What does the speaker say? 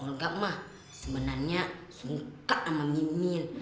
olga mah sebenarnya suka sama mimin